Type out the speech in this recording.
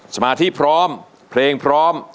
สมาธิพร้อมเพลงพร้อม